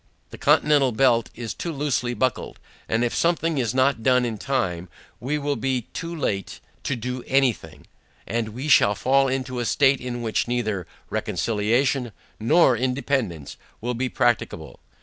The Continental Belt is too loosely buckled. And if something is not done in time, it will be too late to do any thing, and we shall fall into a state, in which, neither RECONCILIATION nor INDEPENDANCE will be practicable.